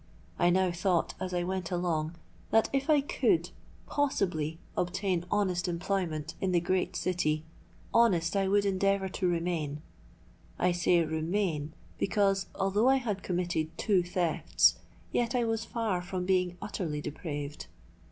I now thought, as I went along, that if I could, possibly obtain honest employment in the great city, honest I would endeavour to remain,—I say remain, because although I had committed two thefts, yet I was far from being utterly depraved.